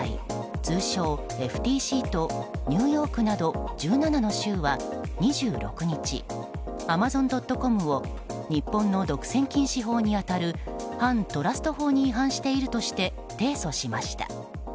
通称ＦＴＣとニューヨークなど１７の州は２６日アマゾン・ドット・コムを日本の独占禁止法違反に当たる反トラスト法に違反しているとして提訴しました。